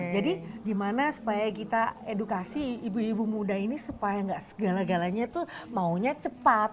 jadi gimana supaya kita edukasi ibu ibu muda ini supaya gak segala galanya tuh maunya cepat